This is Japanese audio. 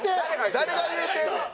誰が言うてるねん。